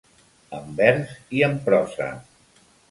En vers i en prosa.